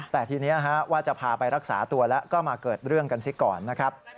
แต่ทีนี้ว่าจะพาไปรักษาตัวแล้วก็มาเกิดเรื่องกันซิก่อนนะครับ